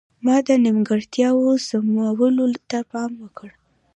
ما د نیمګړتیاوو سمولو ته پام وکړ.